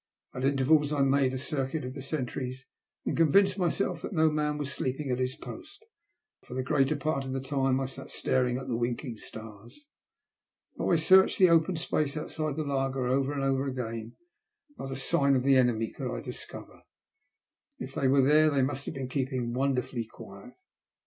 At intervals I made a circuit of the sentries, and con vinced myself that no man was sleeping at his post, but for the greater part of the time I sat staring at the winking stars. Though I searched the open space outside the laager over and over again, not a sign of the enemy could I discover. If they were there, they must have been keeping wonderfully quiet.